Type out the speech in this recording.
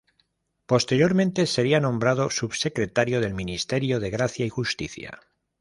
Posteriormente sería nombrado subsecretario del Ministerio de Gracia y Justicia.